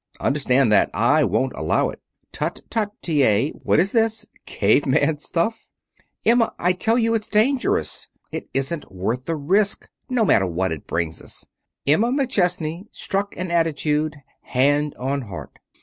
Understand that! I won't allow it!" "Tut, tut, T. A.! What is this? Cave man stuff?" "Emma, I tell you it's dangerous. It isn't worth the risk, no matter what it brings us." Emma McChesney struck an attitude, hand on heart.